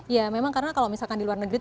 ya memang karena kalau misalkan di luar negeri